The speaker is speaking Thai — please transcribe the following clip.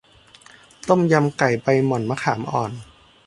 ต้มยำไก่ใบหม่อนมะขามอ่อน